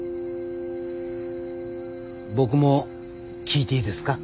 僕も聞いていいですか？